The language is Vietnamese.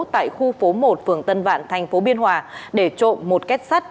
tại khu phố một phường tân vạn thành phố biên hòa để trộm một kết sắt